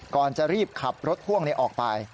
ก่อนจะรีบขับรถพ่วงออกไป